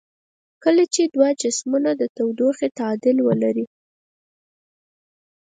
کله چې دوه جسمونه د تودوخې تعادل ولري.